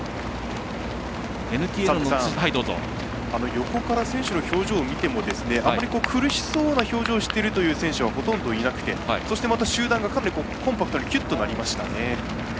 横から選手の表情を見てもあまり苦しそうな表情をしているという選手はほとんど、いなくてまた集団がかなりコンパクトにきゅっとなりましたね。